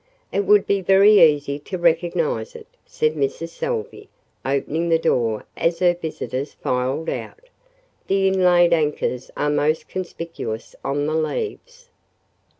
"It would be very easy to recognize it," said Mrs. Salvey, opening the door as her visitors filed out. "The inlaid anchors are most conspicuous on the leaves."